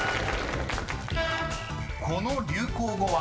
［この流行語は？］